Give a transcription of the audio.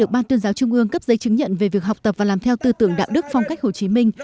ban tuyên giáo trung ương cấp giấy chứng nhận về việc học tập và làm theo tư tưởng đạo đức phong cách hồ chí minh